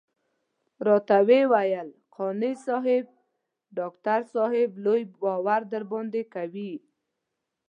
راته وويل قانع صاحب ډاکټر صاحب لوی باور درباندې کوي.